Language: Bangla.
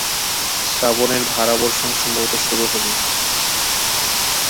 শ্রাবণের ধারাবর্ষণ সম্ভবত শুরু হবে।